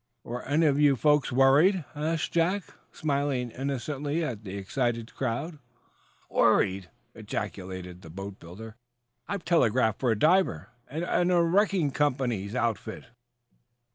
"Were any of you folks worried?" asked Jack, smiling innocently at the excited crowd. "Worried?" ejaculated the boatbuilder. "I've telegraphed for a diver and a wrecking company's outfit."